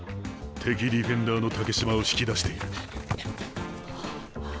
敵ディフェンダーの竹島を引き出している。